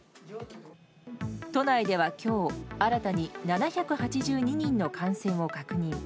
都内では今日新たに７８２人の感染を確認。